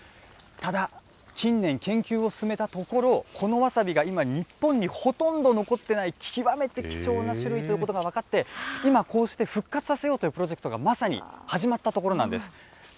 ただ、近年、研究を進めたところ、このわさびが今、日本にほとんど残ってない極めて貴重な種類ということが分かって、今、こうして復活させようというプロジェクトが、まさに始まったところなんです。